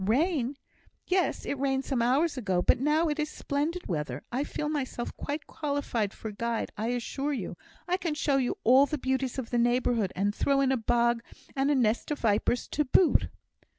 Rain? yes, it rained some hours ago, but now it is splendid weather. I feel myself quite qualified for guide, I assure you. I can show you all the beauties of the neighbourhood, and throw in a bog and a nest of vipers to boot."